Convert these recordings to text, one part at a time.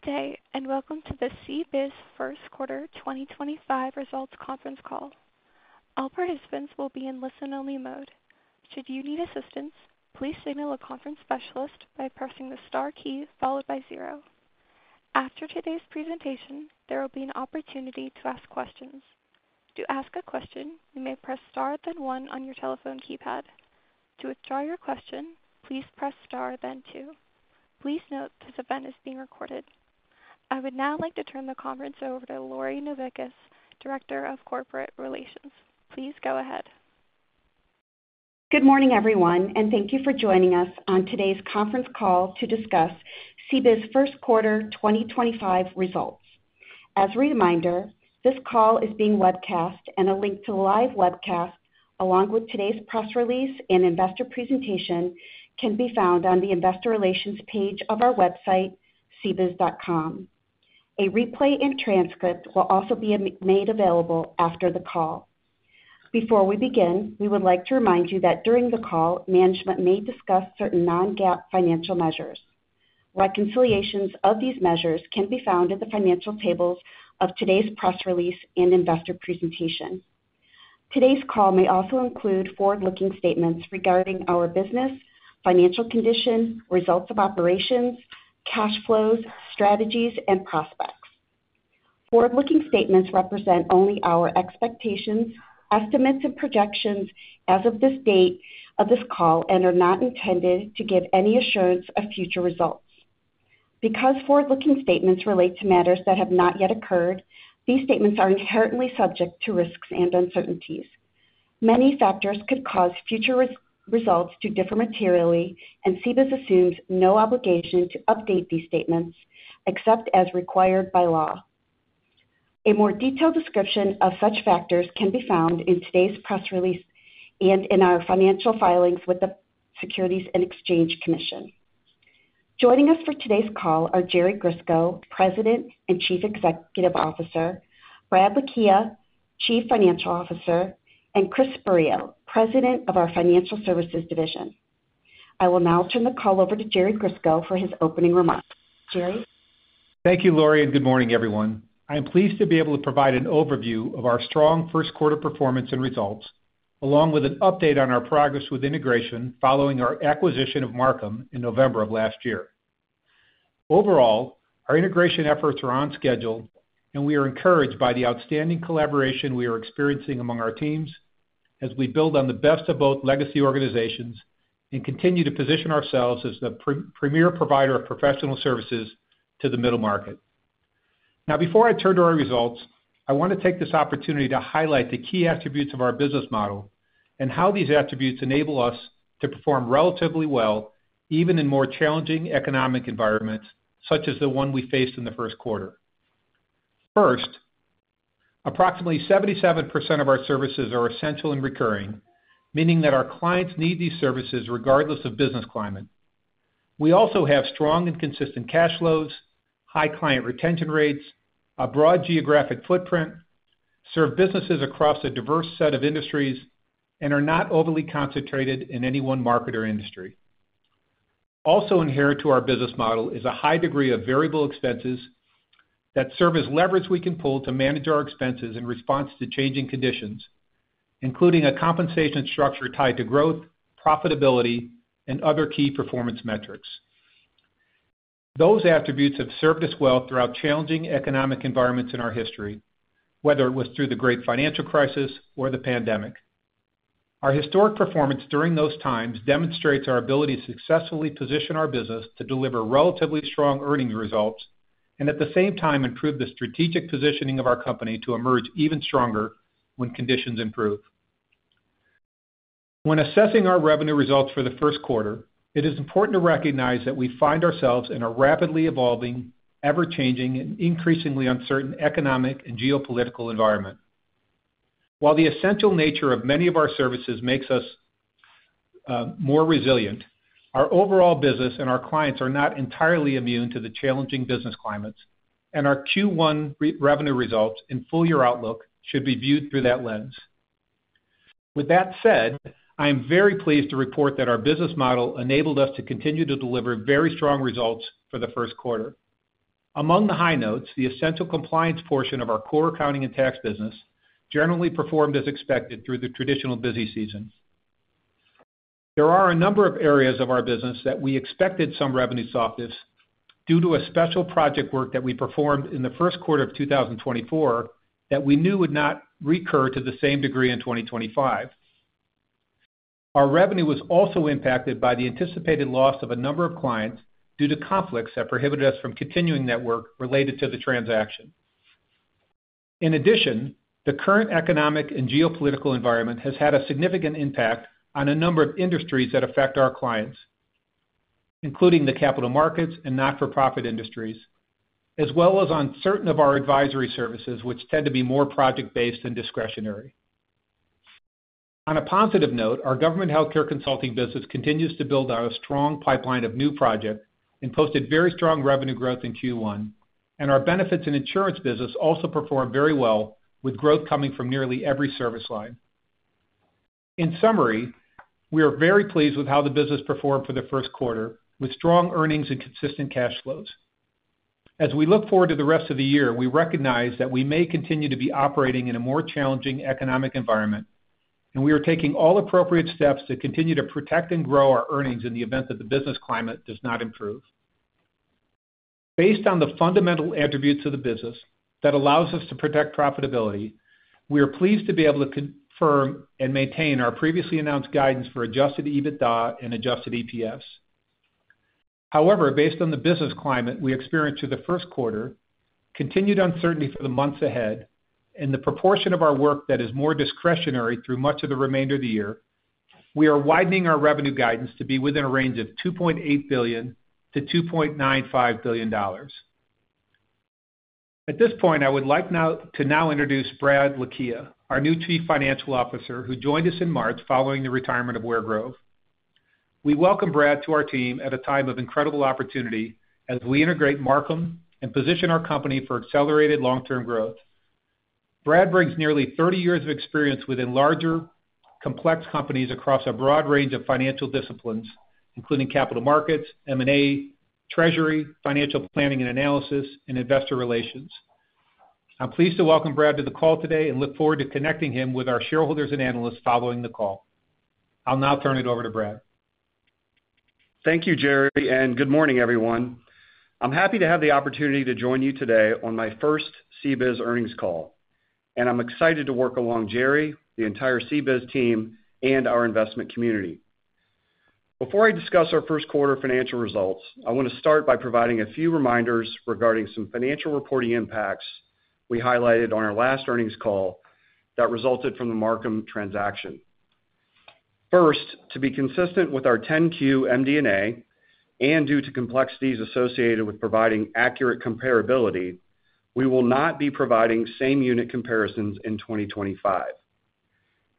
Good day, and Welcome to the CBIZ First Quarter 2025 Results Conference Call. All participants will be in listen-only mode. Should you need assistance, please signal a conference specialist by pressing the star key followed by zero. After today's presentation, there will be an opportunity to ask questions. To ask a question, you may press star then one on your telephone keypad. To withdraw your question, please press star then two. Please note this event is being recorded. I would now like to turn the conference over to Lori Novickis, Director of Corporate Relations. Please go ahead. Good morning, everyone, and thank you for joining us on today's conference call to discuss CBIZ first quarter 2025 results. As a reminder, this call is being webcast, and a link to the live webcast, along with today's press release and investor presentation, can be found on the investor relations page of our website, CBIZ.com. A replay and transcript will also be made available after the call. Before we begin, we would like to remind you that during the call, management may discuss certain non-GAAP financial measures. Reconciliations of these measures can be found in the financial tables of today's press release and investor presentation. Today's call may also include forward-looking statements regarding our business, financial condition, results of operations, cash flows, strategies, and prospects. Forward-looking statements represent only our expectations, estimates, and projections as of this date of this call and are not intended to give any assurance of future results. Because forward-looking statements relate to matters that have not yet occurred, these statements are inherently subject to risks and uncertainties. Many factors could cause future results to differ materially, and CBIZ assumes no obligation to update these statements except as required by law. A more detailed description of such factors can be found in today's press release and in our financial filings with the Securities and Exchange Commission. Joining us for today's call are Jerry Grisko, President and Chief Executive Officer, Brad Lakhia, Chief Financial Officer, and Chris Spurio, President of our Financial Services Division. I will now turn the call over to Jerry Grisko for his opening remarks. Jerry. Thank you, Lori, and good morning, everyone. I'm pleased to be able to provide an overview of our strong first quarter performance and results, along with an update on our progress with integration following our acquisition of Marcum in November of last year. Overall, our integration efforts are on schedule, and we are encouraged by the outstanding collaboration we are experiencing among our teams as we build on the best of both legacy organizations and continue to position ourselves as the premier provider of professional services to the middle market. Now, before I turn to our results, I want to take this opportunity to highlight the key attributes of our business model and how these attributes enable us to perform relatively well, even in more challenging economic environments such as the one we faced in the first quarter. First, approximately 77% of our services are essential and recurring, meaning that our clients need these services regardless of business climate. We also have strong and consistent cash flows, high client retention rates, a broad geographic footprint, serve businesses across a diverse set of industries, and are not overly concentrated in any one market or industry. Also inherent to our business model is a high degree of variable expenses that serve as leverage we can pull to manage our expenses in response to changing conditions, including a compensation structure tied to growth, profitability, and other key performance metrics. Those attributes have served us well throughout challenging economic environments in our history, whether it was through the Great Financial Crisis or the pandemic. Our historic performance during those times demonstrates our ability to successfully position our business to deliver relatively strong earnings results and, at the same time, improve the strategic positioning of our company to emerge even stronger when conditions improve. When assessing our revenue results for the first quarter, it is important to recognize that we find ourselves in a rapidly evolving, ever-changing, and increasingly uncertain economic and geopolitical environment. While the essential nature of many of our services makes us more resilient, our overall business and our clients are not entirely immune to the challenging business climates, and our Q1 revenue results and full-year outlook should be viewed through that lens. With that said, I am very pleased to report that our business model enabled us to continue to deliver very strong results for the first quarter. Among the high notes, the essential compliance portion of our core accounting and tax business generally performed as expected through the traditional busy season. There are a number of areas of our business that we expected some revenue softness due to special project work that we performed in the first quarter of 2024 that we knew would not recur to the same degree in 2025. Our revenue was also impacted by the anticipated loss of a number of clients due to conflicts that prohibited us from continuing that work related to the transaction. In addition, the current economic and geopolitical environment has had a significant impact on a number of industries that affect our clients, including the capital markets and not-for-profit industries, as well as on certain of our advisory services, which tend to be more project-based and discretionary. On a positive note, our government healthcare consulting business continues to build our strong pipeline of new projects and posted very strong revenue growth in Q1, and our benefits and insurance business also performed very well with growth coming from nearly every service line. In summary, we are very pleased with how the business performed for the first quarter, with strong earnings and consistent cash flows. As we look forward to the rest of the year, we recognize that we may continue to be operating in a more challenging economic environment, and we are taking all appropriate steps to continue to protect and grow our earnings in the event that the business climate does not improve. Based on the fundamental attributes of the business that allows us to protect profitability, we are pleased to be able to confirm and maintain our previously announced guidance for adjusted EBITDA and adjusted EPS. However, based on the business climate we experienced through the first quarter, continued uncertainty for the months ahead, and the proportion of our work that is more discretionary through much of the remainder of the year, we are widening our revenue guidance to be within a range of $2.8 billion-$2.95 billion. At this point, I would like now to introduce Brad Lakhia, our new Chief Financial Officer, who joined us in March following the retirement of Ware Grove. We welcome Brad to our team at a time of incredible opportunity as we integrate Marcum and position our company for accelerated long-term growth. Brad brings nearly 30 years of experience within larger, complex companies across a broad range of financial disciplines, including capital markets, M&A, treasury, financial planning and analysis, and investor relations. I'm pleased to welcome Brad to the call today and look forward to connecting him with our shareholders and analysts following the call. I'll now turn it over to Brad. Thank you, Jerry, and good morning, everyone. I'm happy to have the opportunity to join you today on my first CBIZ earnings call, and I'm excited to work along Jerry, the entire CBIZ team, and our investment community. Before I discuss our first quarter financial results, I want to start by providing a few reminders regarding some financial reporting impacts we highlighted on our last earnings call that resulted from the Marcum transaction. First, to be consistent with our 10-Q MD&A and due to complexities associated with providing accurate comparability, we will not be providing same-unit comparisons in 2025.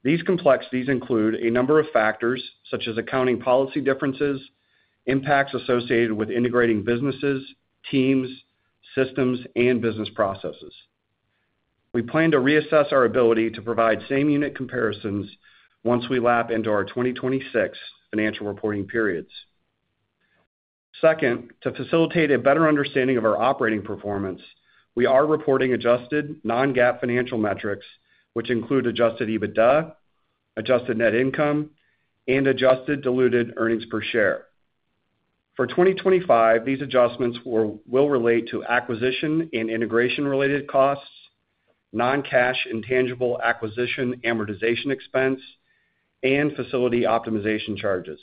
These complexities include a number of factors such as accounting policy differences, impacts associated with integrating businesses, teams, systems, and business processes. We plan to reassess our ability to provide same-unit comparisons once we lap into our 2026 financial reporting periods. Second, to facilitate a better understanding of our operating performance, we are reporting adjusted non-GAAP financial metrics, which include adjusted EBITDA, adjusted net income, and adjusted diluted earnings per share. For 2025, these adjustments will relate to acquisition and integration-related costs, non-cash intangible acquisition amortization expense, and facility optimization charges.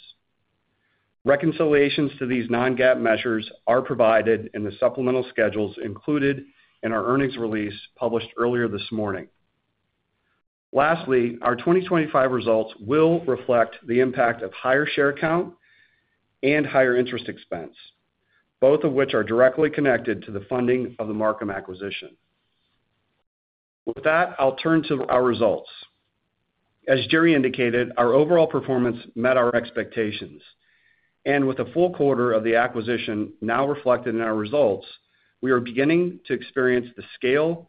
Reconciliations to these non-GAAP measures are provided in the supplemental schedules included in our earnings release published earlier this morning. Lastly, our 2025 results will reflect the impact of higher share count and higher interest expense, both of which are directly connected to the funding of the Marcum acquisition. With that, I'll turn to our results. As Jerry indicated, our overall performance met our expectations, and with a full quarter of the acquisition now reflected in our results, we are beginning to experience the scale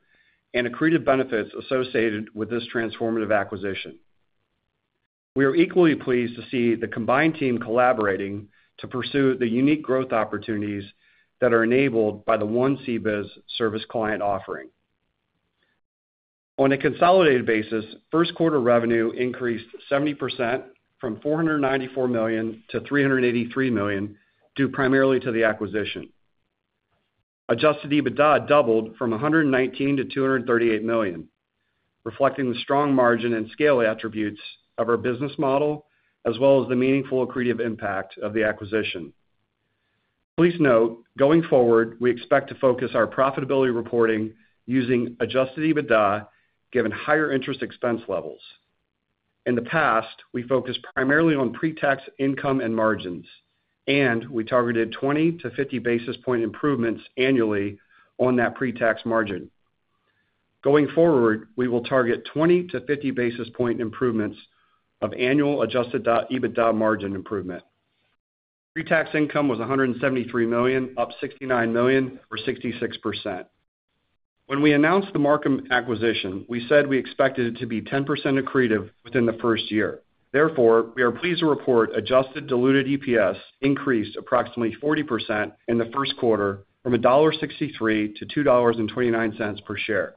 and accretive benefits associated with this transformative acquisition. We are equally pleased to see the combined team collaborating to pursue the unique growth opportunities that are enabled by the one CBIZ service client offering. On a consolidated basis, first quarter revenue increased 70% from $494 million to $383 million due primarily to the acquisition. Adjusted EBITDA doubled from $119 million to $238 million, reflecting the strong margin and scale attributes of our business model as well as the meaningful accretive impact of the acquisition. Please note, going forward, we expect to focus our profitability reporting using adjusted EBITDA given higher interest expense levels. In the past, we focused primarily on pre-tax income and margins, and we targeted 20-50 basis point improvements annually on that pre-tax margin. Going forward, we will target 20-50 basis point improvements of annual adjusted EBITDA margin improvement. Pre-tax income was $173 million, up $69 million or 66%. When we announced the Marcum acquisition, we said we expected it to be 10% accretive within the first year. Therefore, we are pleased to report adjusted diluted EPS increased approximately 40% in the first quarter from $1.63 to $2.29 per share.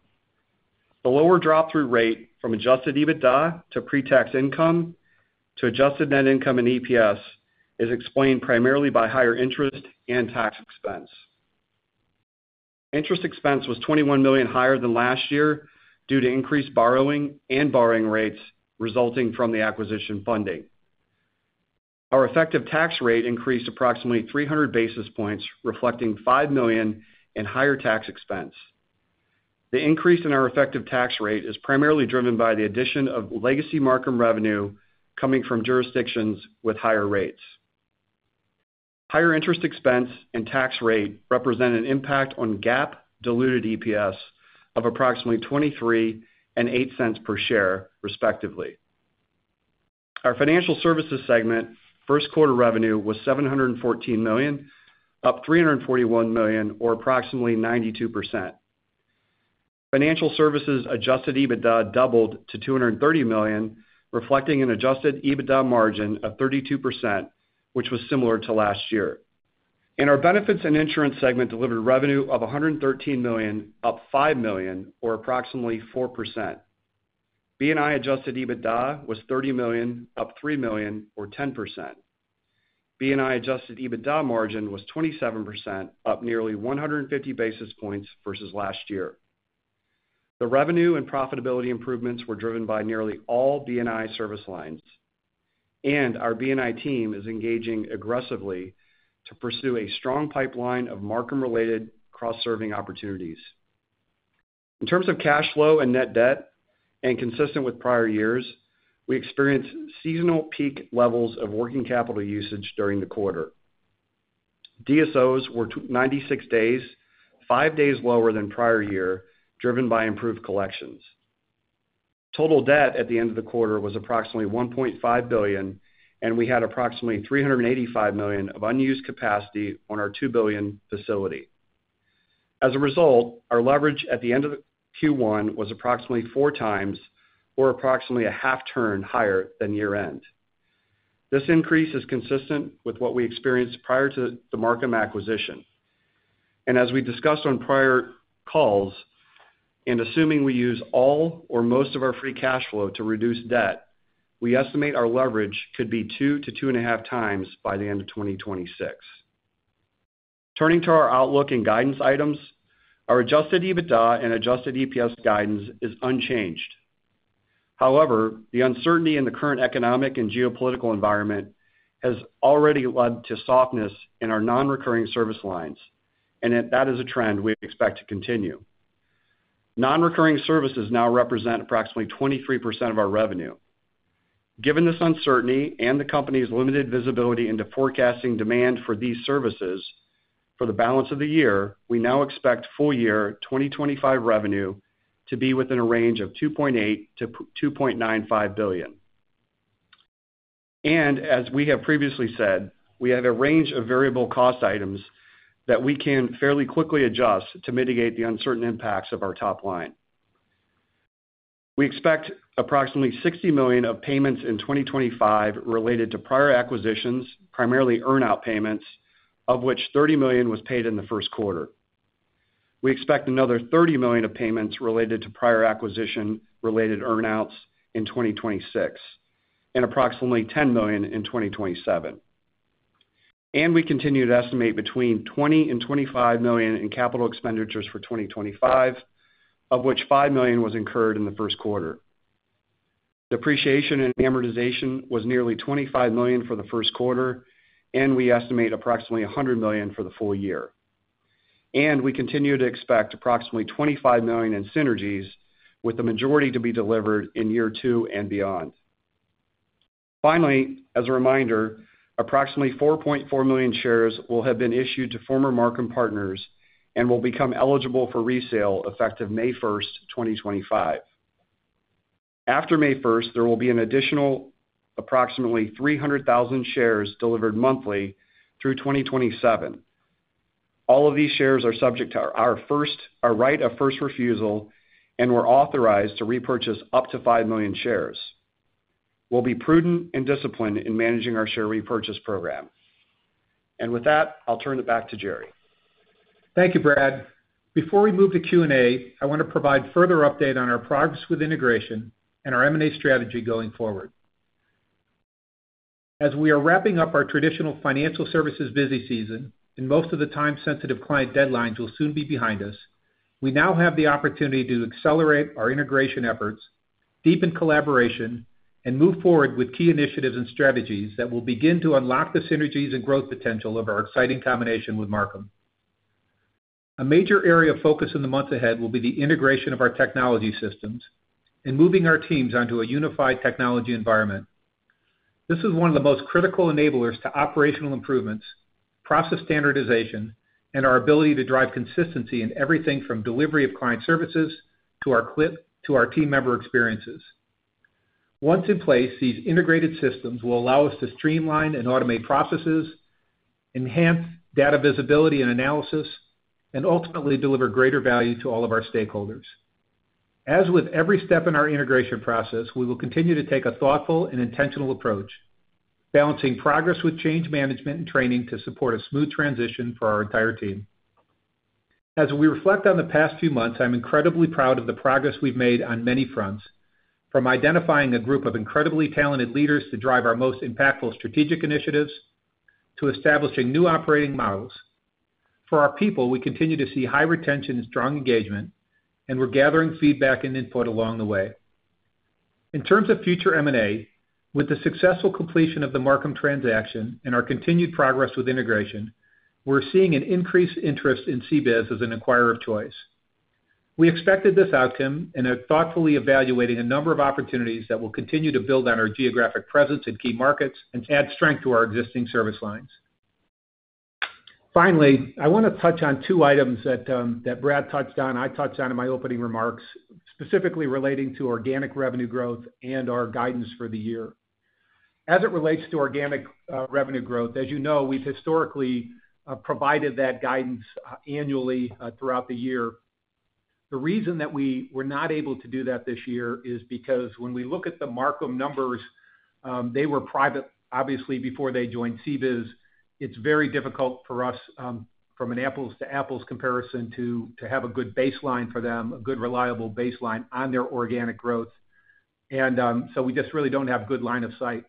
The lower drop-through rate from adjusted EBITDA to pre-tax income to adjusted net income and EPS is explained primarily by higher interest and tax expense. Interest expense was $21 million higher than last year due to increased borrowing and borrowing rates resulting from the acquisition funding. Our effective tax rate increased approximately 300 basis points, reflecting $5 million in higher tax expense. The increase in our effective tax rate is primarily driven by the addition of legacy Marcum revenue coming from jurisdictions with higher rates. Higher interest expense and tax rate represent an impact on GAAP diluted EPS of approximately $23.08 per share, respectively. Our financial services segment first quarter revenue was $714 million, up $341 million or approximately 92%. Financial services adjusted EBITDA doubled to $230 million, reflecting an adjusted EBITDA margin of 32%, which was similar to last year. In our benefits and insurance segment, delivered revenue of $113 million, up $5 million or approximately 4%. BNI adjusted EBITDA was $30 million, up $3 million or 10%. BNI adjusted EBITDA margin was 27%, up nearly 150 basis points versus last year. The revenue and profitability improvements were driven by nearly all BNI service lines, and our BNI team is engaging aggressively to pursue a strong pipeline of Marcum-related cross-serving opportunities. In terms of cash flow and net debt, and consistent with prior years, we experienced seasonal peak levels of working capital usage during the quarter. DSOs were 96 days, five days lower than prior year, driven by improved collections. Total debt at the end of the quarter was approximately $1.5 billion, and we had approximately $385 million of unused capacity on our $2 billion facility. As a result, our leverage at the end of Q1 was approximately four times or approximately a half turn higher than year-end. This increase is consistent with what we experienced prior to the Marcum acquisition. As we discussed on prior calls, in assuming we use all or most of our free cash flow to reduce debt, we estimate our leverage could be two to two and a half times by the end of 2026. Turning to our outlook and guidance items, our adjusted EBITDA and adjusted EPS guidance is unchanged. However, the uncertainty in the current economic and geopolitical environment has already led to softness in our non-recurring service lines, and that is a trend we expect to continue. Non-recurring services now represent approximately 23% of our revenue. Given this uncertainty and the company's limited visibility into forecasting demand for these services for the balance of the year, we now expect full-year 2025 revenue to be within a range of $2.8 billion-$2.95 billion. As we have previously said, we have a range of variable cost items that we can fairly quickly adjust to mitigate the uncertain impacts of our top line. We expect approximately $60 million of payments in 2025 related to prior acquisitions, primarily earnout payments, of which $30 million was paid in the first quarter. We expect another $30 million of payments related to prior acquisition-related earnouts in 2026, and approximately $10 million in 2027. We continue to estimate between $20 million and $25 million in capital expenditures for 2025, of which $5 million was incurred in the first quarter. Depreciation and amortization was nearly $25 million for the first quarter, and we estimate approximately $100 million for the full year. We continue to expect approximately $25 million in synergies, with the majority to be delivered in year two and beyond. Finally, as a reminder, approximately 4.4 million shares will have been issued to former Marcum partners and will become eligible for resale effective May 1, 2025. After May 1, there will be an additional approximately 300,000 shares delivered monthly through 2027. All of these shares are subject to our right of first refusal and we are authorized to repurchase up to 5 million shares. We'll be prudent and disciplined in managing our share repurchase program. With that, I'll turn it back to Jerry. Thank you, Brad. Before we move to Q&A, I want to provide further update on our progress with integration and our M&A strategy going forward. As we are wrapping up our traditional financial services busy season and most of the time-sensitive client deadlines will soon be behind us, we now have the opportunity to accelerate our integration efforts, deepen collaboration, and move forward with key initiatives and strategies that will begin to unlock the synergies and growth potential of our exciting combination with Marcum. A major area of focus in the months ahead will be the integration of our technology systems and moving our teams onto a unified technology environment. This is one of the most critical enablers to operational improvements, process standardization, and our ability to drive consistency in everything from delivery of client services to our team member experiences. Once in place, these integrated systems will allow us to streamline and automate processes, enhance data visibility and analysis, and ultimately deliver greater value to all of our stakeholders. As with every step in our integration process, we will continue to take a thoughtful and intentional approach, balancing progress with change management and training to support a smooth transition for our entire team. As we reflect on the past few months, I'm incredibly proud of the progress we've made on many fronts, from identifying a group of incredibly talented leaders to drive our most impactful strategic initiatives to establishing new operating models. For our people, we continue to see high retention and strong engagement, and we're gathering feedback and input along the way. In terms of future M&A, with the successful completion of the Marcum transaction and our continued progress with integration, we're seeing an increased interest in CBIZ as an acquirer of choice. We expected this outcome and are thoughtfully evaluating a number of opportunities that will continue to build on our geographic presence in key markets and add strength to our existing service lines. Finally, I want to touch on two items that Brad touched on, I touched on in my opening remarks, specifically relating to organic revenue growth and our guidance for the year. As it relates to organic revenue growth, as you know, we've historically provided that guidance annually throughout the year. The reason that we were not able to do that this year is because when we look at the Marcum numbers, they were private, obviously, before they joined CBIZ. It's very difficult for us, from an apples-to-apples comparison, to have a good baseline for them, a good reliable baseline on their organic growth. We just really don't have good line of sight.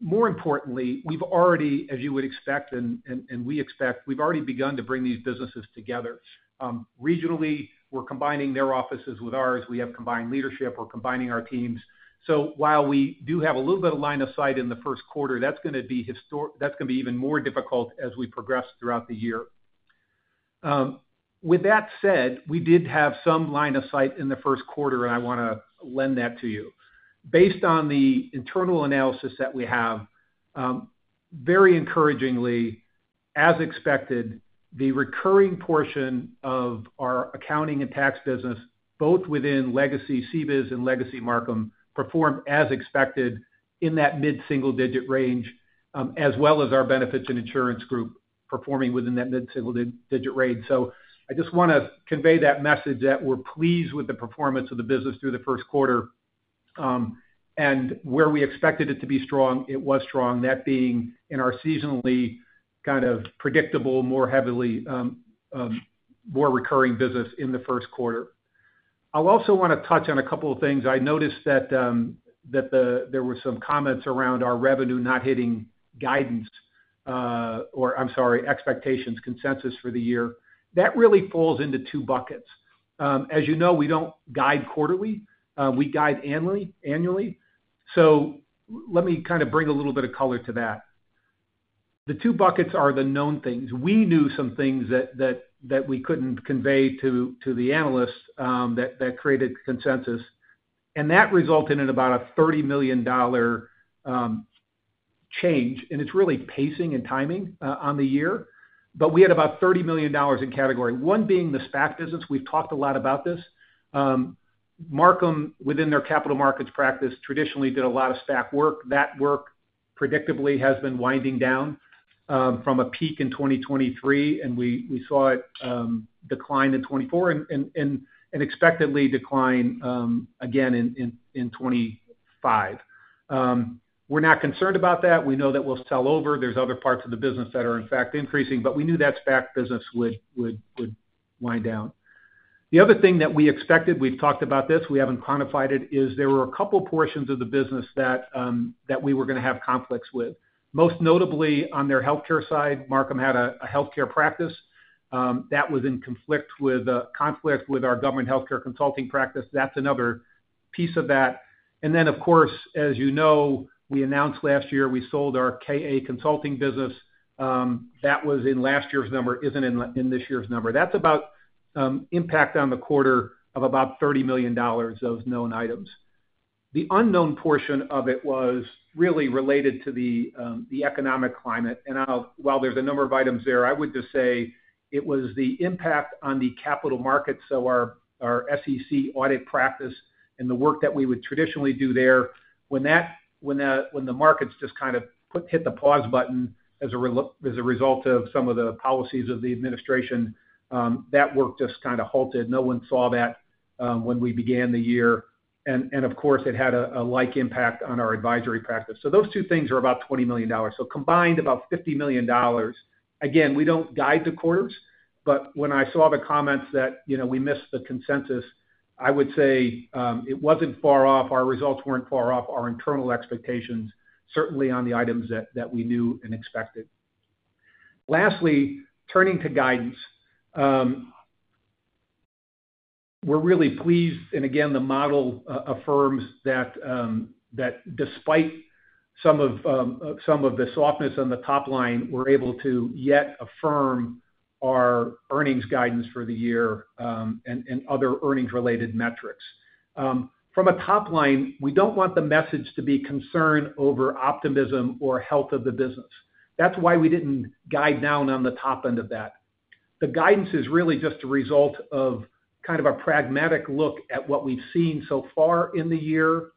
More importantly, we've already, as you would expect and we expect, we've already begun to bring these businesses together. Regionally, we're combining their offices with ours. We have combined leadership. We're combining our teams. While we do have a little bit of line of sight in the first quarter, that's going to be even more difficult as we progress throughout the year. With that said, we did have some line of sight in the first quarter, and I want to lend that to you. Based on the internal analysis that we have, very encouragingly, as expected, the recurring portion of our accounting and tax business, both within legacy CBIZ and legacy Marcum, performed as expected in that mid-single-digit range, as well as our benefits and insurance group performing within that mid-single-digit range. I just want to convey that message that we're pleased with the performance of the business through the first quarter. Where we expected it to be strong, it was strong, that being in our seasonally kind of predictable, more recurring business in the first quarter. I also want to touch on a couple of things. I noticed that there were some comments around our revenue not hitting guidance or, I'm sorry, expectations, consensus for the year. That really falls into two buckets. As you know, we don't guide quarterly. We guide annually. Let me kind of bring a little bit of color to that. The two buckets are the known things. We knew some things that we couldn't convey to the analysts that created consensus. That resulted in about a $30 million change. It's really pacing and timing on the year. We had about $30 million in category. One being the SPAC business. We've talked a lot about this. Marcum, within their capital markets practice, traditionally did a lot of SPAC work. That work, predictably, has been winding down from a peak in 2023, and we saw it decline in 2024 and expectedly decline again in 2025. We're not concerned about that. We know that we'll sell over. There's other parts of the business that are, in fact, increasing. We knew that SPAC business would wind down. The other thing that we expected, we've talked about this, we haven't quantified it, is there were a couple of portions of the business that we were going to have conflicts with. Most notably, on their healthcare side, Marcum had a healthcare practice that was in conflict with our government healthcare consulting practice. That's another piece of that. Of course, as you know, we announced last year we sold our KA Consulting business. That was in last year's number, isn't in this year's number. That's about impact on the quarter of about $30 million of known items. The unknown portion of it was really related to the economic climate. While there's a number of items there, I would just say it was the impact on the capital markets, so our SEC audit practice and the work that we would traditionally do there. When the markets just kind of hit the pause button as a result of some of the policies of the administration, that work just kind of halted. No one saw that when we began the year. Of course, it had a like impact on our advisory practice. Those two things are about $20 million. Combined, about $50 million. Again, we do not guide the quarters. When I saw the comments that we missed the consensus, I would say it was not far off. Our results were not far off our internal expectations, certainly on the items that we knew and expected. Lastly, turning to guidance, we are really pleased. Again, the model affirms that despite some of the softness on the top line, we are able to yet affirm our earnings guidance for the year and other earnings-related metrics. From a top line, we don't want the message to be concern over optimism or health of the business. That's why we didn't guide down on the top end of that. The guidance is really just a result of kind of a pragmatic look at what we've seen so far in the year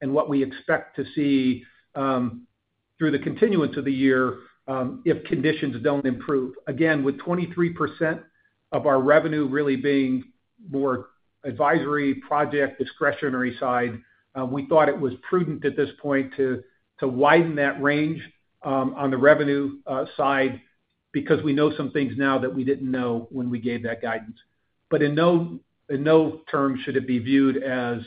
and what we expect to see through the continuance of the year if conditions don't improve. Again, with 23% of our revenue really being more advisory, project, discretionary side, we thought it was prudent at this point to widen that range on the revenue side because we know some things now that we didn't know when we gave that guidance. In no term should it be viewed as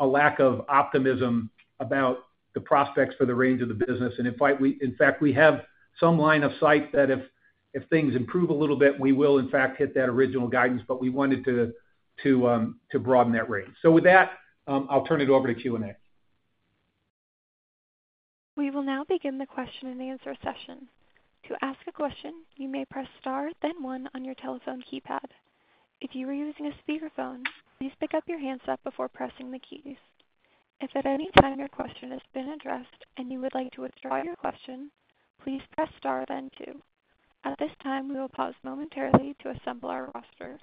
a lack of optimism about the prospects for the range of the business. In fact, we have some line of sight that if things improve a little bit, we will, in fact, hit that original guidance. We wanted to broaden that range. With that, I'll turn it over to Q&A. We will now begin the question and answer session. To ask a question, you may press star, then one on your telephone keypad. If you are using a speakerphone, please pick up your handset before pressing the keys. If at any time your question has been addressed and you would like to withdraw your question, please press star, then two. At this time, we will pause momentarily to assemble our roster. This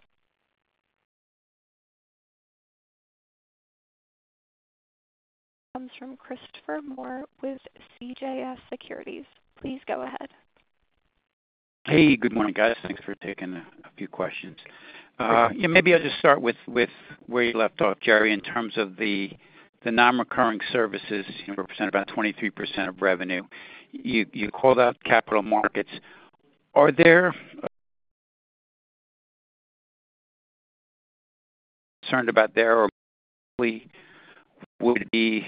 comes from Christopher Moore with CJS Securities. Please go ahead. Hey, good morning, guys. Thanks for taking a few questions. Yeah, maybe I'll just start with where you left off, Jerry, in terms of the non-recurring services representing about 23% of revenue. You called out capital markets. Are there concerns about there or would it be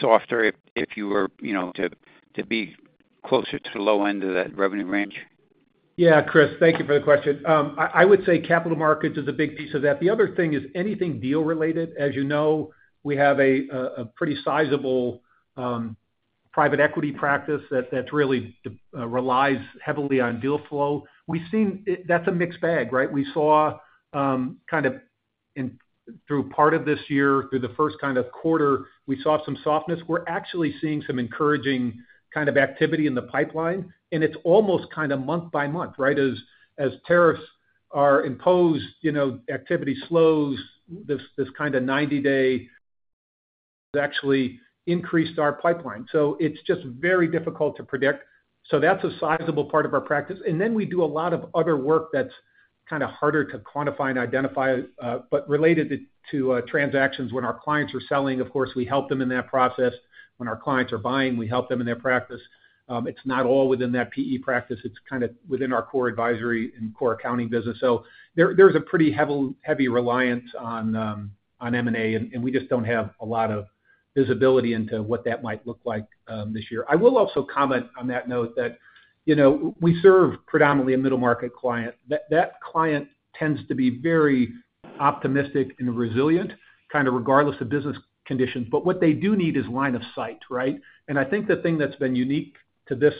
softer if you were to be closer to the low end of that revenue range? Yeah, Chris, thank you for the question. I would say capital markets is a big piece of that. The other thing is anything deal-related. As you know, we have a pretty sizable private equity practice that really relies heavily on deal flow. That's a mixed bag, right? We saw kind of through part of this year, through the first kind of quarter, we saw some softness. We're actually seeing some encouraging kind of activity in the pipeline. It's almost kind of month by month, right? As tariffs are imposed, activity slows. This kind of 90-day has actually increased our pipeline. It is just very difficult to predict. That's a sizable part of our practice. We do a lot of other work that's kind of harder to quantify and identify. Related to transactions, when our clients are selling, of course, we help them in that process. When our clients are buying, we help them in their practice. It's not all within that PE practice. It's kind of within our core advisory and core accounting business. There is a pretty heavy reliance on M&A, and we just do not have a lot of visibility into what that might look like this year. I will also comment on that note that we serve predominantly a middle-market client. That client tends to be very optimistic and resilient, kind of regardless of business conditions. What they do need is line of sight, right? I think the thing that's been unique to the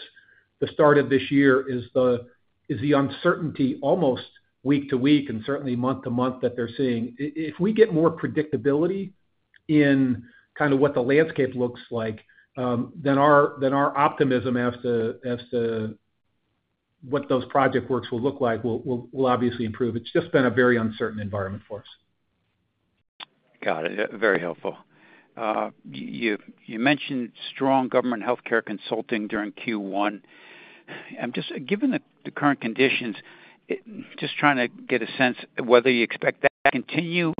start of this year is the uncertainty almost week to week and certainly month to month that they're seeing. If we get more predictability in kind of what the landscape looks like, then our optimism as to what those project works will look like will obviously improve. It's just been a very uncertain environment for us. Got it. Very helpful. You mentioned strong government healthcare consulting during Q1. Given the current conditions, just trying to get a sense of whether you expect that to continue.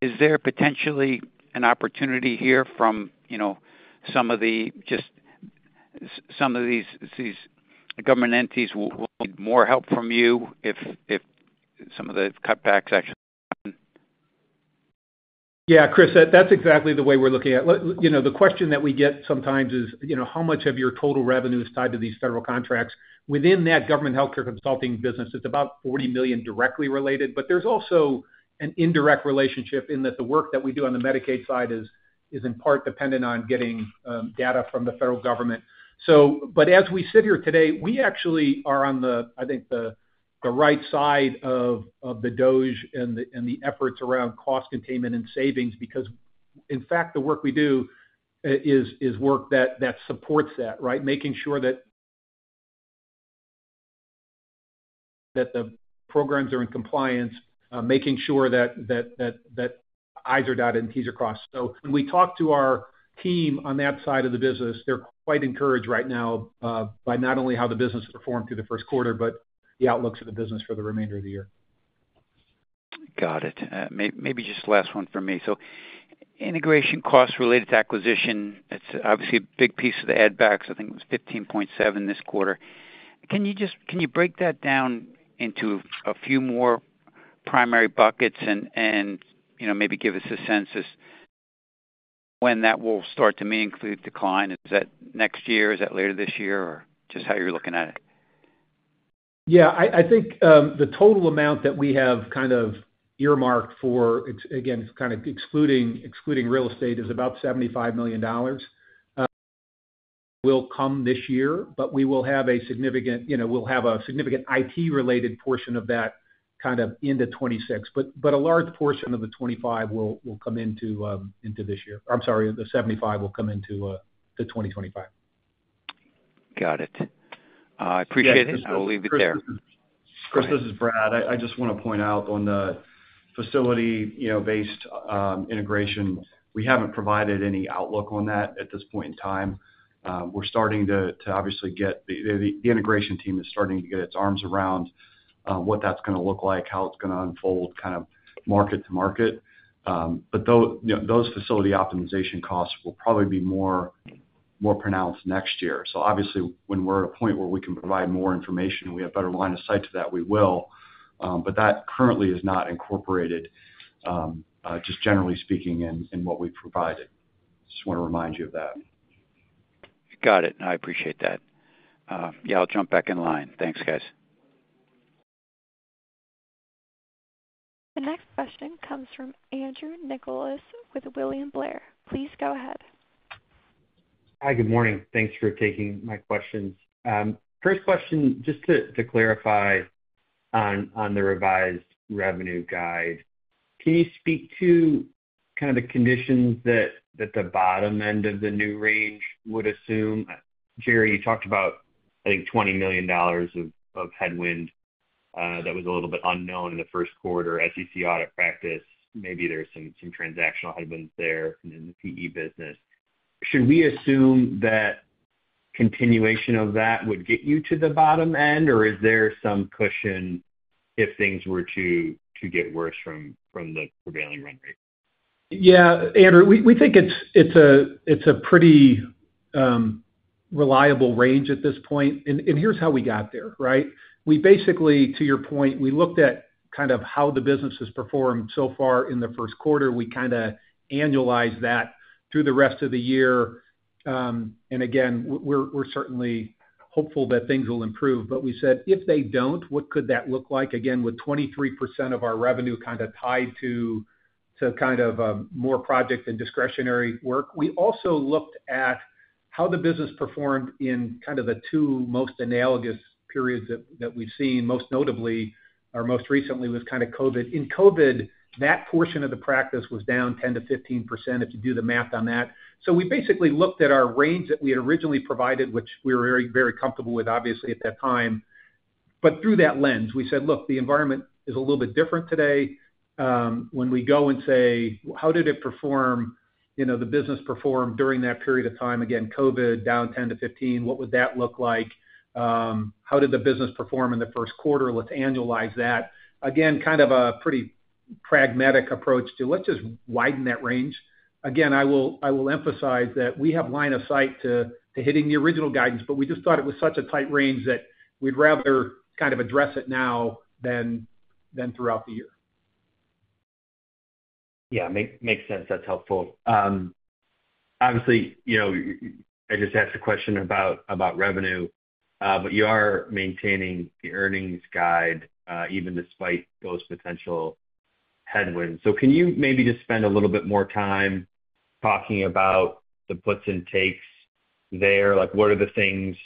Is there potentially an opportunity here from some of these government entities will need more help from you if some of the cutbacks actually happen? Yeah, Chris, that's exactly the way we're looking at it. The question that we get sometimes is, how much of your total revenue is tied to these federal contracts? Within that government healthcare consulting business, it's about $40 million directly related. There is also an indirect relationship in that the work that we do on the Medicaid side is in part dependent on getting data from the federal government. As we sit here today, we actually are on the, I think, the right side of the DOGE and the efforts around cost containment and savings because, in fact, the work we do is work that supports that, right? Making sure that the programs are in compliance, making sure that eyes are dotted and T's are crossed. When we talk to our team on that side of the business, they're quite encouraged right now by not only how the business performed through the first quarter, but the outlook for the business for the remainder of the year. Got it. Maybe just last one for me. Integration costs related to acquisition, it's obviously a big piece of the add-backs. I think it was $15.7 million this quarter. Can you break that down into a few more primary buckets and maybe give us a sense as to when that will start to, I mean, include decline? Is that next year? Is that later this year? Just how you're looking at it? Yeah, I think the total amount that we have kind of earmarked for, again, kind of excluding real estate, is about $75 million will come this year. We will have a significant IT-related portion of that kind of into 2026. A large portion of the 2025 will come into this year. I'm sorry, the $75 million will come into the 2025. Got it. I appreciate it. I'll leave it there. Chris, this is Brad. I just want to point out on the facility-based integration, we have not provided any outlook on that at this point in time. We are starting to obviously get the integration team is starting to get its arms around what that is going to look like, how it is going to unfold kind of market to market. Those facility optimization costs will probably be more pronounced next year. Obviously, when we are at a point where we can provide more information and we have better line of sight to that, we will. That currently is not incorporated, just generally speaking, in what we have provided. Just want to remind you of that. Got it. I appreciate that. Yeah, I'll jump back in line. Thanks, guys. The next question comes from Andrew Nicholas with William Blair. Please go ahead. Hi, good morning. Thanks for taking my questions. First question, just to clarify on the revised revenue guide, can you speak to kind of the conditions that the bottom end of the new range would assume? Jerry, you talked about, I think, $20 million of headwind that was a little bit unknown in the first quarter, SEC audit practice. Maybe there's some transactional headwinds there in the PE business. Should we assume that continuation of that would get you to the bottom end? Or is there some cushion if things were to get worse from the prevailing run rate? Yeah, Andrew, we think it's a pretty reliable range at this point. Here's how we got there, right? Basically, to your point, we looked at kind of how the business has performed so far in the first quarter. We kind of annualized that through the rest of the year. We're certainly hopeful that things will improve. We said, if they don't, what could that look like? With 23% of our revenue kind of tied to more project and discretionary work. We also looked at how the business performed in the two most analogous periods that we've seen, most notably or most recently with COVID. In COVID, that portion of the practice was down 10-15% if you do the math on that. We basically looked at our range that we had originally provided, which we were very comfortable with, obviously, at that time. Through that lens, we said, "Look, the environment is a little bit different today." When we go and say, "How did it perform? The business performed during that period of time?" Again, COVID, down 10-15%. What would that look like? How did the business perform in the first quarter? Let's annualize that. Again, kind of a pretty pragmatic approach to, "Let's just widen that range." Again, I will emphasize that we have line of sight to hitting the original guidance. We just thought it was such a tight range that we'd rather kind of address it now than throughout the year. Yeah, makes sense. That's helpful. Obviously, I just asked a question about revenue. You are maintaining the earnings guide even despite those potential headwinds. Can you maybe just spend a little bit more time talking about the puts and takes there? What are the things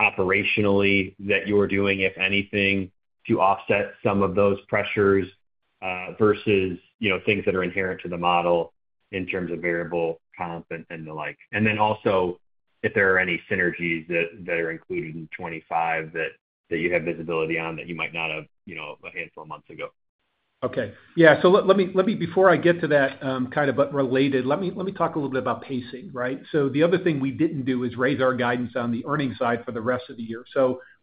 operationally that you're doing, if anything, to offset some of those pressures versus things that are inherent to the model in terms of variable comp and the like? Also, if there are any synergies that are included in 2025 that you have visibility on that you might not have a handful of months ago? Okay. Yeah. Before I get to that, kind of related, let me talk a little bit about pacing, right? The other thing we did not do is raise our guidance on the earnings side for the rest of the year.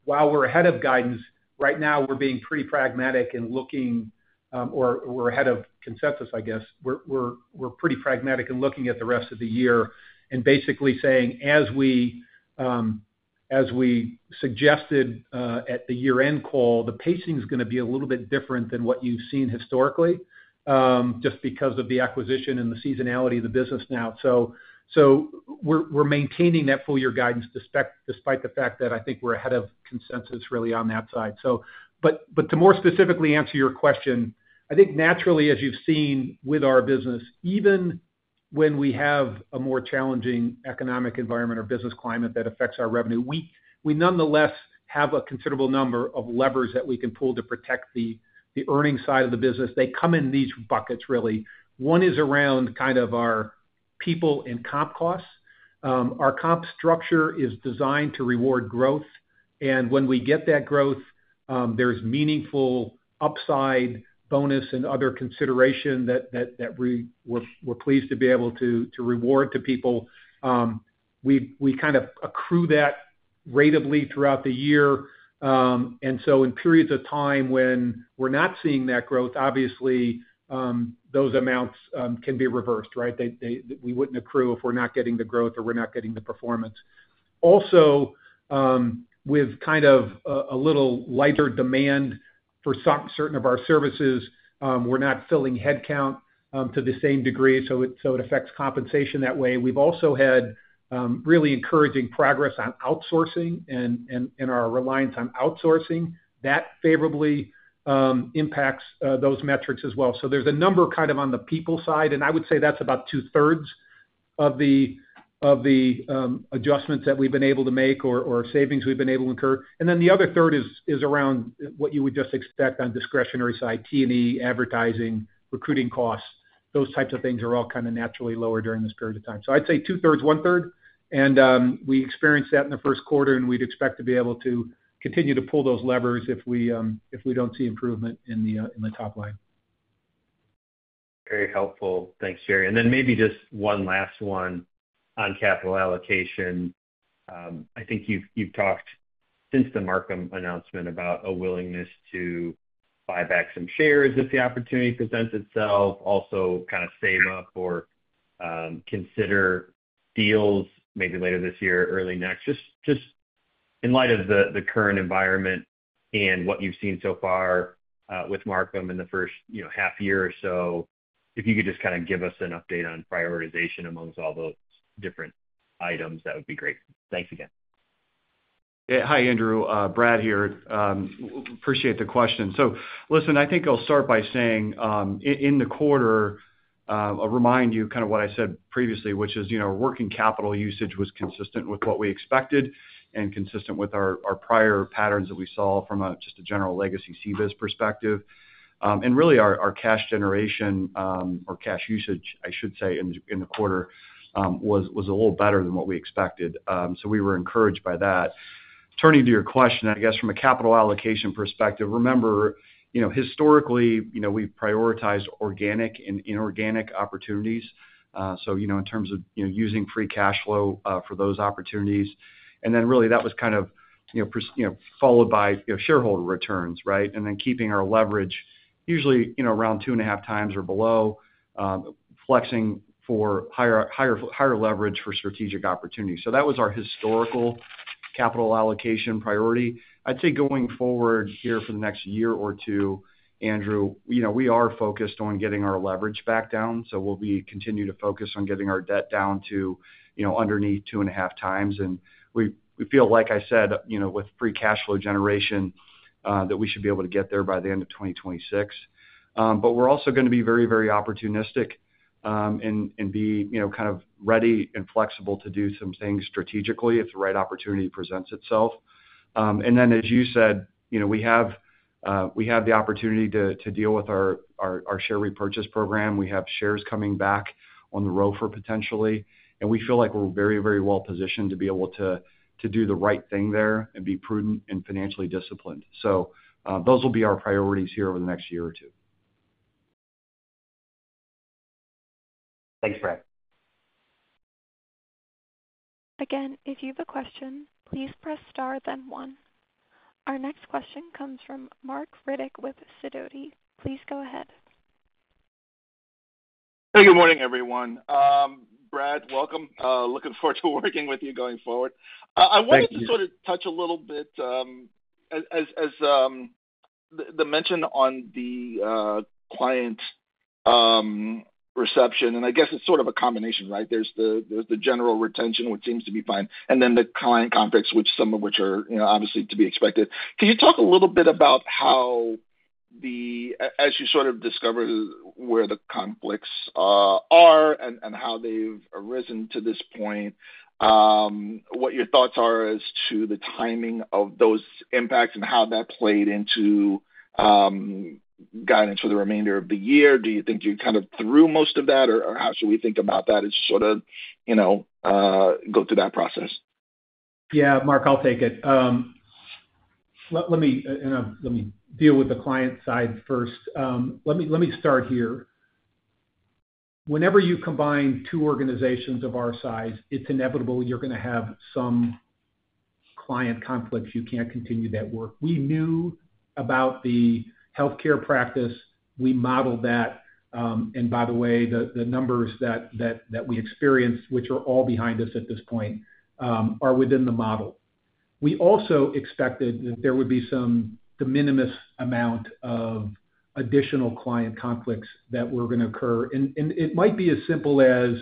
While we are ahead of guidance right now, we are being pretty pragmatic and looking, or we are ahead of consensus, I guess. We are pretty pragmatic and looking at the rest of the year and basically saying, as we suggested at the year-end call, the pacing is going to be a little bit different than what you have seen historically just because of the acquisition and the seasonality of the business now. We are maintaining that full-year guidance despite the fact that I think we are ahead of consensus really on that side. To more specifically answer your question, I think naturally, as you've seen with our business, even when we have a more challenging economic environment or business climate that affects our revenue, we nonetheless have a considerable number of levers that we can pull to protect the earnings side of the business. They come in these buckets, really. One is around kind of our people and comp costs. Our comp structure is designed to reward growth. And when we get that growth, there's meaningful upside bonus and other consideration that we're pleased to be able to reward to people. We kind of accrue that ratably throughout the year. In periods of time when we're not seeing that growth, obviously, those amounts can be reversed, right? We wouldn't accrue if we're not getting the growth or we're not getting the performance. Also, with kind of a little lighter demand for certain of our services, we're not filling headcount to the same degree. It affects compensation that way. We've also had really encouraging progress on outsourcing and our reliance on outsourcing. That favorably impacts those metrics as well. There's a number kind of on the people side. I would say that's about two-thirds of the adjustments that we've been able to make or savings we've been able to incur. The other third is around what you would just expect on discretionary side, T&E, advertising, recruiting costs. Those types of things are all kind of naturally lower during this period of time. I'd say two-thirds, one-third. We experienced that in the first quarter. We'd expect to be able to continue to pull those levers if we don't see improvement in the top line. Very helpful. Thanks, Jerry. Maybe just one last one on capital allocation. I think you've talked since the Marcum announcement about a willingness to buy back some shares if the opportunity presents itself. Also kind of save up or consider deals maybe later this year, early next. Just in light of the current environment and what you've seen so far with Marcum in the first half year or so, if you could just kind of give us an update on prioritization amongst all those different items, that would be great. Thanks again. Hi, Andrew. Brad here. Appreciate the question. I think I'll start by saying in the quarter, I'll remind you kind of what I said previously, which is working capital usage was consistent with what we expected and consistent with our prior patterns that we saw from just a general legacy CBIZ perspective. Really, our cash generation or cash usage, I should say, in the quarter was a little better than what we expected. We were encouraged by that. Turning to your question, I guess from a capital allocation perspective, remember, historically, we've prioritized organic and inorganic opportunities. In terms of using free cash flow for those opportunities. That was kind of followed by shareholder returns, right? Keeping our leverage usually around two and a half times or below, flexing for higher leverage for strategic opportunities. That was our historical capital allocation priority. I'd say going forward here for the next year or two, Andrew, we are focused on getting our leverage back down. We'll continue to focus on getting our debt down to underneath two and a half times. We feel, like I said, with free cash flow generation, that we should be able to get there by the end of 2026. We are also going to be very, very opportunistic and be kind of ready and flexible to do some things strategically if the right opportunity presents itself. As you said, we have the opportunity to deal with our share repurchase program. We have shares coming back on the ROFR potentially. We feel like we're very, very well positioned to be able to do the right thing there and be prudent and financially disciplined. Those will be our priorities here over the next year or two. Thanks, Brad. Again, if you have a question, please press star, then one. Our next question comes from Marc Riddick with Sidoti. Please go ahead. Hey, good morning, everyone. Brad, welcome. Looking forward to working with you going forward. I wanted to sort of touch a little bit as the mention on the client reception. I guess it's sort of a combination, right? There's the general retention, which seems to be fine, and then the client conflicts, which some of which are obviously to be expected. Can you talk a little bit about how, as you sort of discovered where the conflicts are and how they've arisen to this point, what your thoughts are as to the timing of those impacts and how that played into guidance for the remainder of the year? Do you think you kind of threw most of that? Or how should we think about that as sort of go through that process? Yeah, Mark, I'll take it. Let me deal with the client side first. Let me start here. Whenever you combine two organizations of our size, it's inevitable you're going to have some client conflicts. You can't continue that work. We knew about the healthcare practice. We modeled that. By the way, the numbers that we experienced, which are all behind us at this point, are within the model. We also expected that there would be some de minimis amount of additional client conflicts that were going to occur. It might be as simple as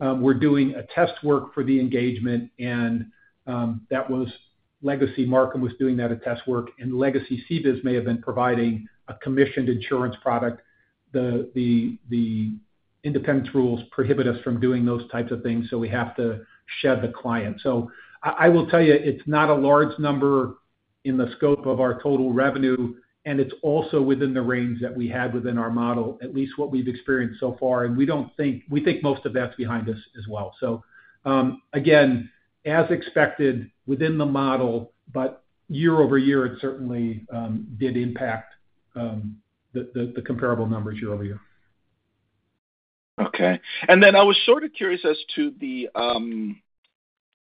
we're doing a test work for the engagement. That was legacy Marcum was doing that test work. Legacy CBIZ may have been providing a commissioned insurance product. The independence rules prohibit us from doing those types of things. We have to shed the client. I will tell you, it's not a large number in the scope of our total revenue. It's also within the range that we had within our model, at least what we've experienced so far. We think most of that's behind us as well. Again, as expected, within the model. Year over year, it certainly did impact the comparable numbers year over year. Okay. I was sort of curious as to,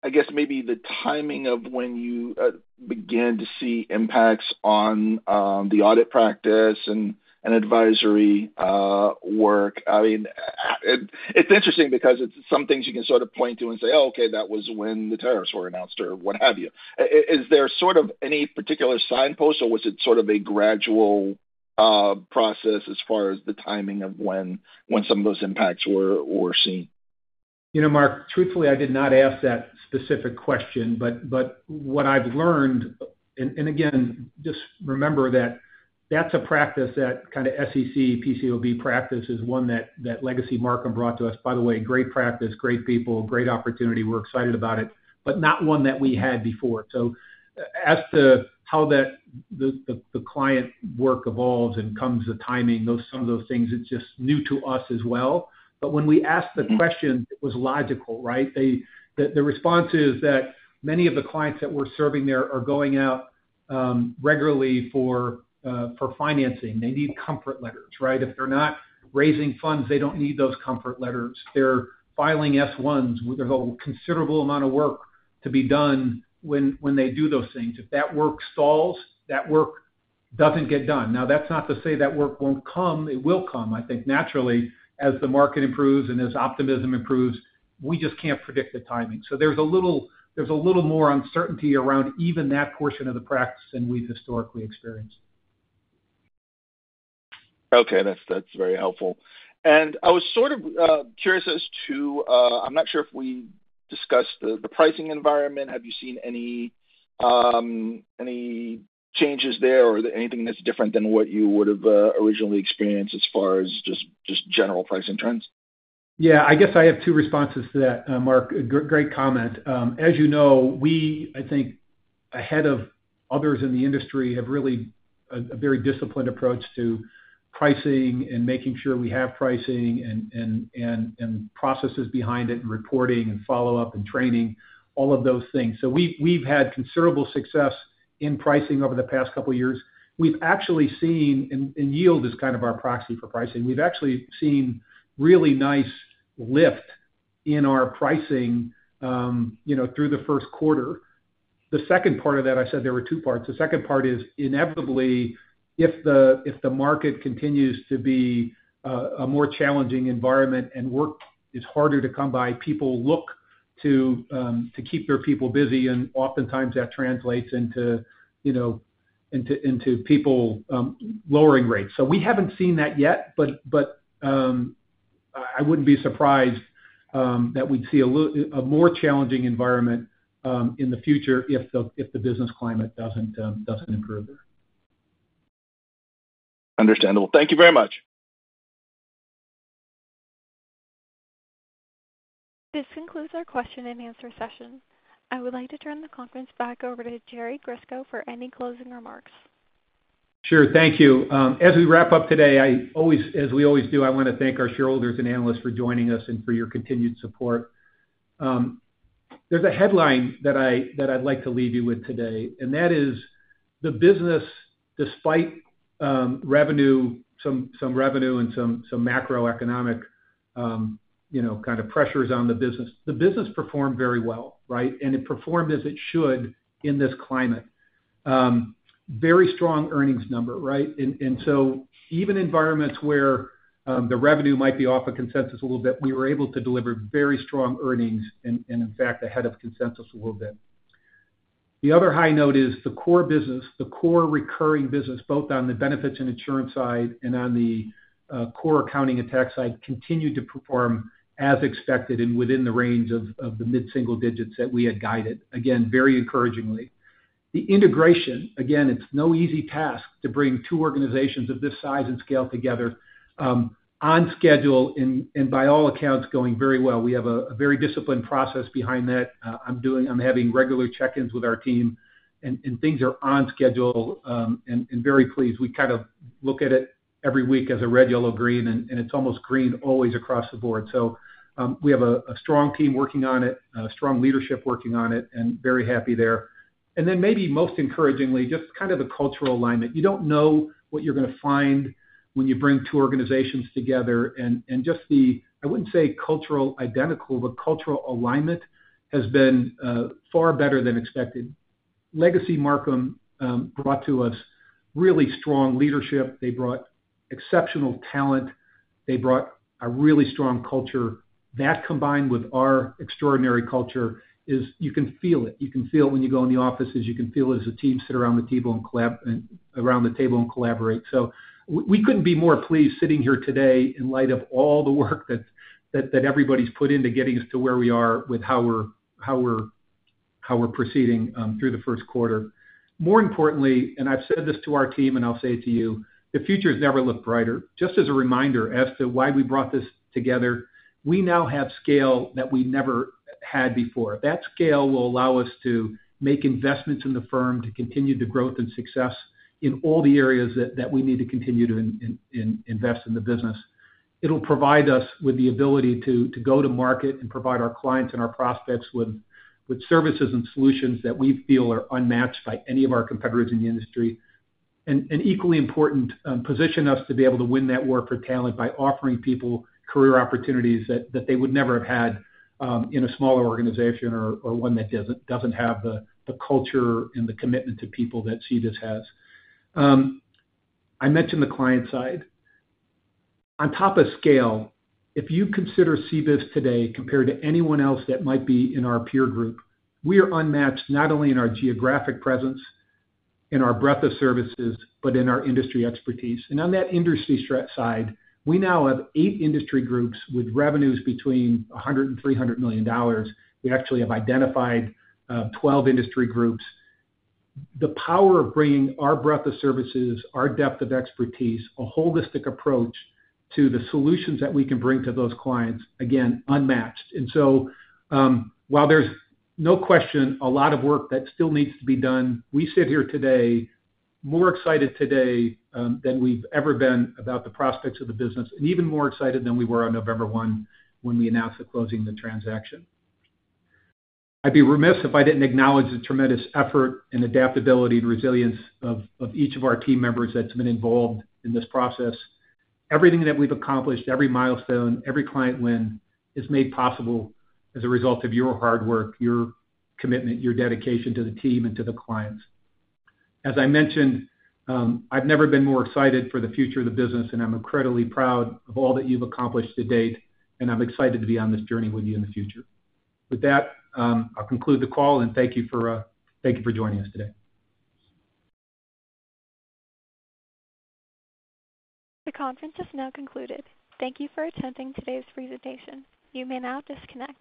I guess, maybe the timing of when you began to see impacts on the audit practice and advisory work. I mean, it's interesting because it's some things you can sort of point to and say, "Oh, okay, that was when the tariffs were announced or what have you." Is there sort of any particular signpost, or was it sort of a gradual process as far as the timing of when some of those impacts were seen? You know, Mark, truthfully, I did not ask that specific question. What I've learned—and again, just remember that that's a practice that kind of SEC, PCAOB practice is one that legacy Marcum brought to us. By the way, great practice, great people, great opportunity. We're excited about it. Not one that we had before. As to how the client work evolves and comes the timing, some of those things, it's just new to us as well. When we asked the question, it was logical, right? The response is that many of the clients that we're serving there are going out regularly for financing. They need comfort letters, right? If they're not raising funds, they don't need those comfort letters. They're filing S-1s. There's a considerable amount of work to be done when they do those things. If that work stalls, that work doesn't get done. Now, that's not to say that work won't come. It will come, I think, naturally as the market improves and as optimism improves. We just can't predict the timing. There is a little more uncertainty around even that portion of the practice than we've historically experienced. Okay. That's very helpful. I was sort of curious as to—I'm not sure if we discussed the pricing environment. Have you seen any changes there or anything that's different than what you would have originally experienced as far as just general pricing trends? Yeah. I guess I have two responses to that, Mark. Great comment. As you know, we, I think, ahead of others in the industry, have really a very disciplined approach to pricing and making sure we have pricing and processes behind it and reporting and follow-up and training, all of those things. We have had considerable success in pricing over the past couple of years. We have actually seen—and yield is kind of our proxy for pricing—we have actually seen really nice lift in our pricing through the first quarter. The second part of that, I said there were two parts. The second part is inevitably, if the market continues to be a more challenging environment and work is harder to come by, people look to keep their people busy. Oftentimes, that translates into people lowering rates. We have not seen that yet. I wouldn't be surprised that we'd see a more challenging environment in the future if the business climate doesn't improve there. Understandable. Thank you very much. This concludes our question and answer session. I would like to turn the conference back over to Jerry Grisko for any closing remarks. Sure. Thank you. As we wrap up today, as we always do, I want to thank our shareholders and analysts for joining us and for your continued support. There is a headline that I would like to leave you with today. That is the business, despite some revenue and some macroeconomic kind of pressures on the business, the business performed very well, right? It performed as it should in this climate. Very strong earnings number, right? Even in environments where the revenue might be off of consensus a little bit, we were able to deliver very strong earnings and, in fact, ahead of consensus a little bit. The other high note is the core business, the core recurring business, both on the benefits and insurance side and on the core accounting and tax side, continued to perform as expected and within the range of the mid-single digits that we had guided. Again, very encouragingly. The integration, again, it's no easy task to bring two organizations of this size and scale together on schedule. By all accounts, going very well. We have a very disciplined process behind that. I'm having regular check-ins with our team. Things are on schedule. Very pleased. We kind of look at it every week as a red, yellow, green. It's almost green always across the board. We have a strong team working on it, a strong leadership working on it, and very happy there. Maybe most encouragingly, just kind of the cultural alignment. You don't know what you're going to find when you bring two organizations together. I wouldn't say cultural identical, but cultural alignment has been far better than expected. Legacy Marcum brought to us really strong leadership. They brought exceptional talent. They brought a really strong culture. That combined with our extraordinary culture is you can feel it. You can feel it when you go in the offices. You can feel it as the teams sit around the table and collaborate. We couldn't be more pleased sitting here today in light of all the work that everybody's put into getting us to where we are with how we're proceeding through the first quarter. More importantly, and I've said this to our team, and I'll say it to you, the future has never looked brighter. Just as a reminder as to why we brought this together, we now have scale that we never had before. That scale will allow us to make investments in the firm to continue the growth and success in all the areas that we need to continue to invest in the business. It will provide us with the ability to go to market and provide our clients and our prospects with services and solutions that we feel are unmatched by any of our competitors in the industry. Equally important, it positions us to be able to win that work for talent by offering people career opportunities that they would never have had in a smaller organization or one that does not have the culture and the commitment to people that CBIZ has. I mentioned the client side. On top of scale, if you consider CBIZ today compared to anyone else that might be in our peer group, we are unmatched not only in our geographic presence, in our breadth of services, but in our industry expertise. On that industry side, we now have eight industry groups with revenues between $100 million and $300 million. We actually have identified 12 industry groups. The power of bringing our breadth of services, our depth of expertise, a holistic approach to the solutions that we can bring to those clients, again, unmatched. While there is no question, a lot of work that still needs to be done, we sit here today more excited today than we've ever been about the prospects of the business and even more excited than we were on November 1 when we announced the closing of the transaction. I'd be remiss if I didn't acknowledge the tremendous effort and adaptability and resilience of each of our team members that's been involved in this process. Everything that we've accomplished, every milestone, every client win is made possible as a result of your hard work, your commitment, your dedication to the team, and to the clients. As I mentioned, I've never been more excited for the future of the business. I'm incredibly proud of all that you've accomplished to date. I'm excited to be on this journey with you in the future. With that, I'll conclude the call. Thank you for joining us today. The conference has now concluded. Thank you for attending today's presentation. You may now disconnect.